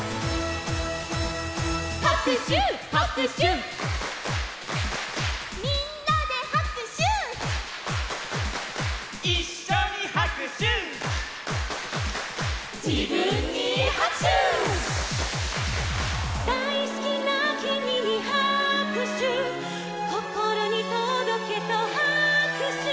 「はくしゅはくしゅ」「みんなではくしゅ」「いっしょにはくしゅ」「じぶんにはくしゅ」「だいすきなキミにはくしゅ」「こころにとどけとはくしゅ」